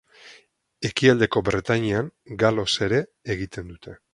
Ekialdeko Bretainian galoz ere egiten dute.